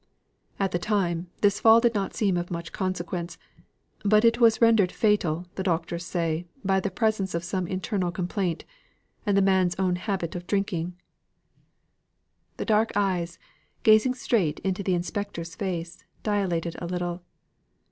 At the time, this fall did not seem of much consequence; but it was rendered fatal, the doctors say, by the presence of some internal complaint, and the man's own habit of drinking." The large dark eyes, gazing straight into the inspector's face, dilated a little.